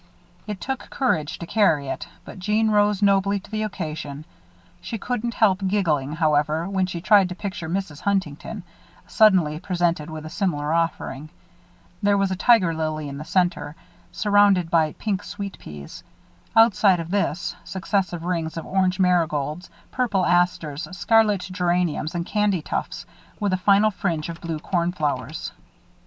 It took courage to carry it, but Jeanne rose nobly to the occasion. She couldn't help giggling, however, when she tried to picture Mrs. Huntington, suddenly presented with a similar offering. There was a tiger lily in the center, surrounded by pink sweet peas. Outside of this, successive rings of orange marigolds, purple asters, scarlet geraniums and candytuft, with a final fringe of blue cornflowers.